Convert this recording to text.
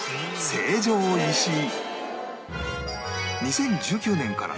成城石井。